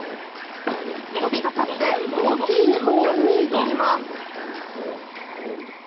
飛びかかって大きい猫ちゃんに挑みます。